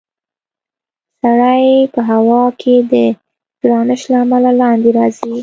سړی په هوا کې د ګرانش له امله لاندې راځي.